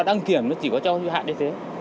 đăng kiểm nó chỉ có cho hạng như thế